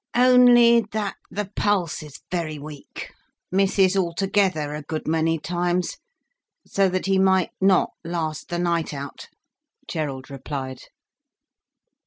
"Only that the pulse is very weak—misses altogether a good many times—so that he might not last the night out," Gerald replied.